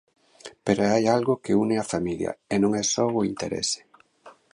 Pero hai algo que a une á familia, e non é só o interese.